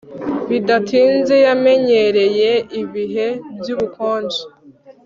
Bidatinze yamenyereye ibihe byubukonje